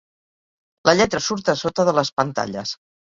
La lletra surt a sota de les pantalles.